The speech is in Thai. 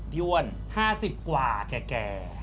พี่อ้วน๕๐กว่าแก่